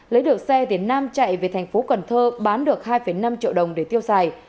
lấy được xe thì nam chạy về thành phố cần thơ bán được hai năm triệu đồng để tiêu xài